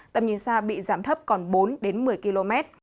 tầm nhìn xa bị giảm thấp còn bốn đến một mươi km